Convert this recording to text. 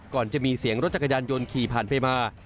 ก่อนจะมีเสียงรถจักรยานยนต์ขี่ผ่านไปมา